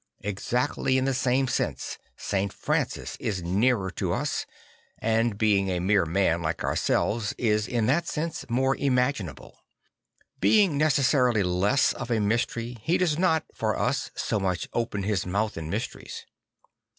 Exactly in the same sense St. Francis is nearer to us, and being a mere man like ourselves is in that sense more imaginable. Being necessarily less of a mystery, he does not, for us, so much open his mouth in mysteries.